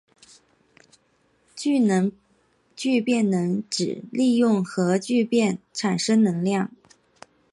聚变能指利用核聚变产生能量。